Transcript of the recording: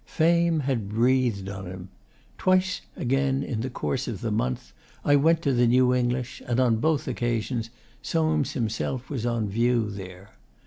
Fame had breathed on him. Twice again in the course of the month I went to the New English, and on both occasions Soames himself was on view there.